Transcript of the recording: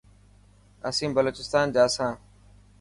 اسين بلوچستان جا سان.